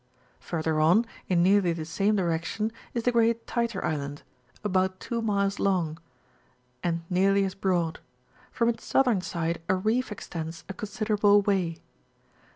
Further on, in nearly the same direction, is the Great Tyter Island, about 2 miles long, and nearly as broad; from its southern side a reef extends a considerable way.